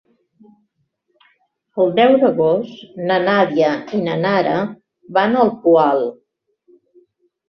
El deu d'agost na Nàdia i na Nara van al Poal.